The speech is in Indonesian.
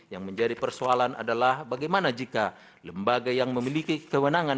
yang menjadi persoalan adalah bagaimana jika lembaga yang memiliki kewenangan